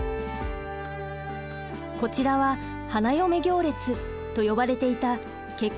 こちらは花嫁行列と呼ばれていた結婚の儀式。